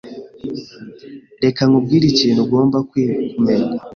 Reka nkubwire ikintu ugomba kumenya.